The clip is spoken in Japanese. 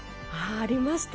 ありました。